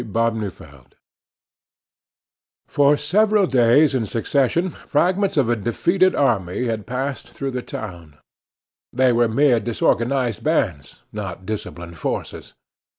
BOULE DE SUIF For several days in succession fragments of a defeated army had passed through the town. They were mere disorganized bands, not disciplined forces.